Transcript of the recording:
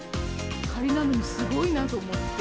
仮なのにすごいなと思って。